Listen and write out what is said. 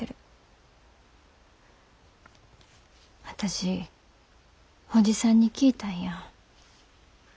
私伯父さんに聞いたんや。